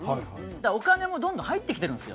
お金もどんどん入ってきてるんですよ。